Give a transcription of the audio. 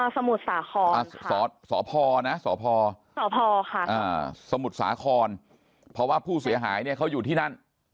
สมุทรสาครสมุทรสาครเพราะว่าผู้เสียหายเขาอยู่ที่นั้น